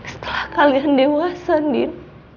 setelah kalian dewasa din